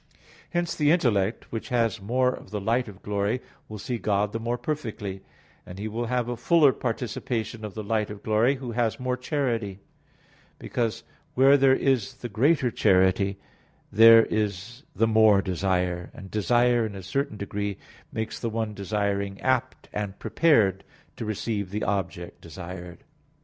Hence the intellect which has more of the light of glory will see God the more perfectly; and he will have a fuller participation of the light of glory who has more charity; because where there is the greater charity, there is the more desire; and desire in a certain degree makes the one desiring apt and prepared to receive the object desired.